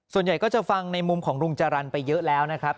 ส่วนใหญ่ก็จะฟังในมุมของลุงจรรย์ไปเยอะแล้วนะครับ